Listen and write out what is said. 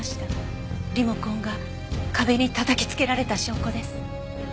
リモコンが壁にたたきつけられた証拠です。